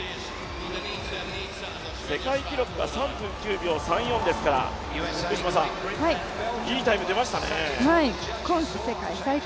世界記録は３分９秒３４ですから、いいタイム出ましたね。